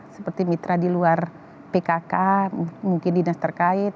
seperti mitra di luar pkk mungkin dinas terkait